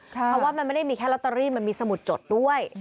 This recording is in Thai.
เพราะว่ามันไม่ได้มีแค่ลอตเตอรี่มันมีสมุดจดด้วย